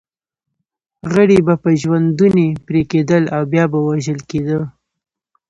غړي به په ژوندوني پرې کېدل او بیا به وژل کېده.